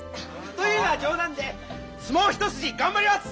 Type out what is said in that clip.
というのは冗談で相撲一筋頑張ります！